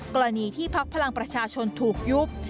กรณีที่พักพลังประชาชนถูกยุบ